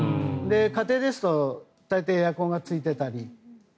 家庭ですと大体エアコンがついていたり。